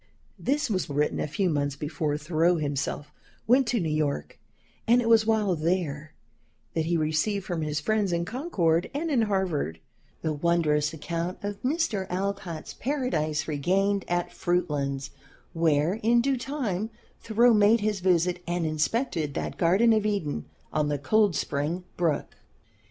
This was written a few months before Thoreau himself went to New York, and it was while there that he received from his friends in Concord and in Harvard, the wondrous account of Mr. Alcott's Paradise Regained at Fruitlands; where in due time Thoreau made his visit and inspected that Garden of Eden on the Coldspring Brook.